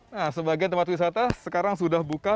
nah sebagian tempat wisata sekarang sudah buka